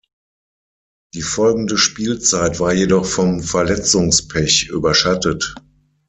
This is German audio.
Die folgende Spielzeit war jedoch vom Verletzungspech überschattet.